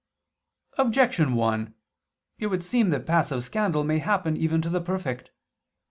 Objection 1: It would seem that passive scandal may happen even to the perfect.